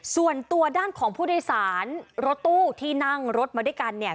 ส่วนตัวด้านของผู้โดยสารรถตู้ที่นั่งรถมาด้วยกันเนี่ย